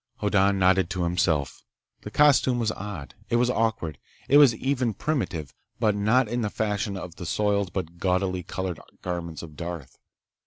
Hoddan nodded to himself. The costume was odd. It was awkward. It was even primitive, but not in the fashion of the soiled but gaudily colored garments of Darth.